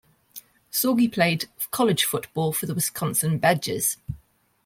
Sorgi played college football for the Wisconsin Badgers.